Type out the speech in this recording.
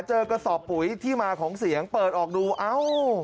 กระสอบปุ๋ยที่มาของเสียงเปิดออกดูเอ้า